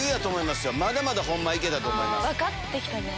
まだまだホンマ行けたと思います。